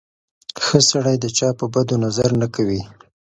ښه سړی د چا په بدو نظر نه کوي.